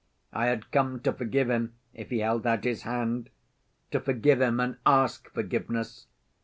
I had come to forgive him if he held out his hand; to forgive him, and ask forgiveness!